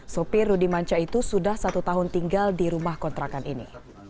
sopir rudi manca itu sudah satu tahun tinggal di rumah kontrakan ini